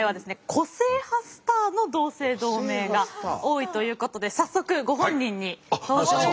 個性派スターの同姓同名が多いということで早速ご本人に登場。